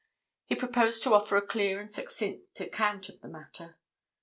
He proposed to offer a clear and succinct account of the matter.